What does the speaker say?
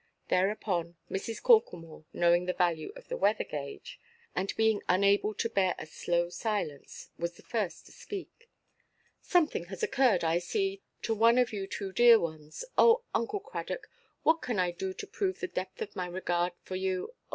Thereupon Mrs. Corklemore, knowing the value of the weather–gage, and being unable to bear a slow silence, was the first to speak. "Something has occurred, I see, to one of you two dear ones. Oh, Uncle Cradock, what can I do to prove the depth of my regard for you?